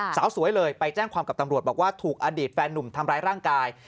สาวสวยเลยไปแจ้งความกับตำรวจบอกว่าถูกอดีตแฟนหนุ่มทำร้ายร่างกาย